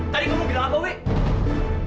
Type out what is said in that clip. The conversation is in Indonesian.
tadi kau mau bilang apa wik